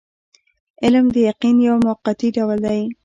علم د یقین یو موقتي ډول دی.